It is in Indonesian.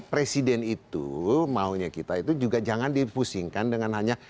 presiden itu maunya kita itu juga jangan dipusingkan dengan hanya